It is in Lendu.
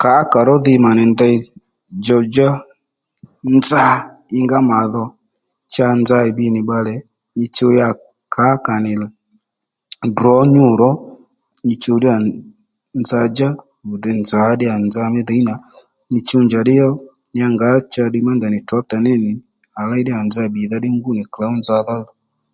Kǎkà ró dhi mà nì ndey djow-djá nza ingá màdho cha nza ì bbiy nì bbalè nyi chuw ya kǎkà nì drǒ nyû ró nyi chuw ddíyà nza-djá vì dey nzǎ ddíyà nza mí dhǐ nà nyi chuw ddíyà njàddí ó ya ngǎ ddiy ma ndèy nì trǎkta ní ní à léy nza bbìdha ddí ngú nì klǒw dza-djá dho